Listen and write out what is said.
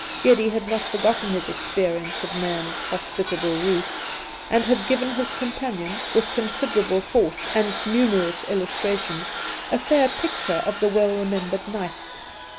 Greddy had not forgotten his experience of Nairn's ' hospitable roof,' and had given his companion, with considerable force and numerous illustrations, a fair picture of the well remembered night.